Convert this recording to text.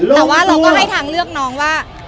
แต่ว่าเราก็ให้ทางเลือกน้องว่า